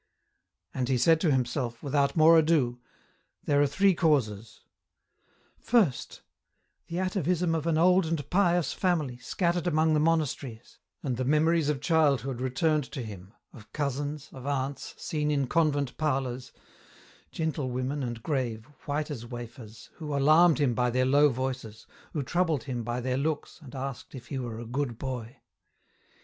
And he said to himself, without more ado, there are three causes :—" First, the atavism of an old and pious family, scattered among the monasteries ;" and the memories of childhood returned to him, of cousins, of aunts, seen in convent parlours ; gentle women and grave, white as wafers, who alarmed him by their low voices, who troubled him by their looks, and asked if he were a good boy.